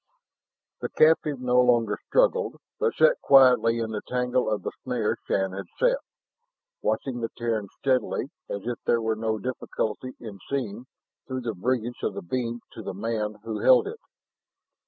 The captive no longer struggled, but sat quietly in the tangle of the snare Shann had set, watching the Terran steadily as if there were no difficulty in seeing through the brilliance of the beam to the man who held it.